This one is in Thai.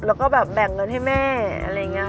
แล้วก็แบบแบ่งเงินให้แม่อะไรอย่างนี้